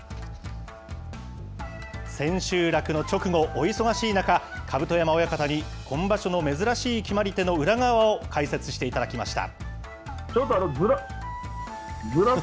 千秋楽の直後、お忙しい中、甲山親方に、今場所の珍しい決まり手の裏側を解説していただきました。